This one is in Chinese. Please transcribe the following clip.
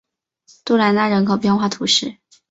穆兰纳人口变化图示